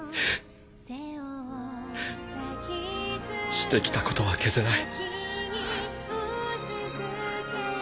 して来たことは消せない。